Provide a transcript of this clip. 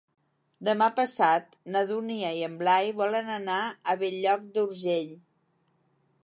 Demà passat na Dúnia i en Blai volen anar a Bell-lloc d'Urgell.